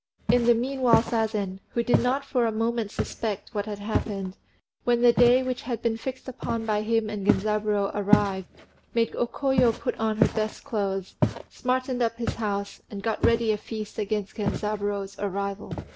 In the meanwhile Sazen, who did not for a moment suspect what had happened, when the day which had been fixed upon by him and Genzaburô arrived, made O Koyo put on her best clothes, smartened up his house, and got ready a feast against Genzaburô's arrival.